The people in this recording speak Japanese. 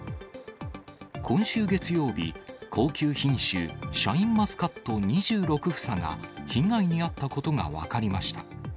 今週月曜日、高級品種、シャインマスカット２６房が被害に遭ったことが分かりました。